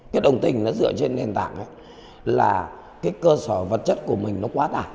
cái đồng tình nó dựa trên nền tảng là cái cơ sở vật chất của mình nó quá tải